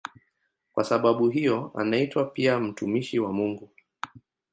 Kwa sababu hiyo anaitwa pia "mtumishi wa Mungu".